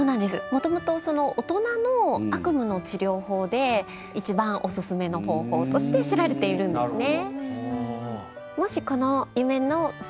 もともと大人の悪夢のちりょう法で一番おすすめの方法として知られているんですね。